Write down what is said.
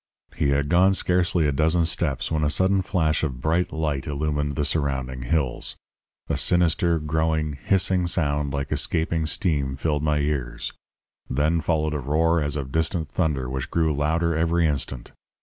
"He had gone scarcely a dozen steps when a sudden flash of bright light illumined the surrounding hills; a sinister, growing, hissing sound like escaping steam filled my ears. Then followed a roar as of distant thunder, which grew louder every instant.